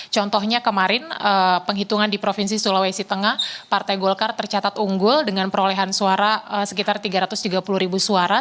contohnya kemarin penghitungan di provinsi sulawesi tengah partai golkar tercatat unggul dengan perolehan suara sekitar tiga ratus tiga puluh ribu suara